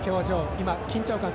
今、緊張感が。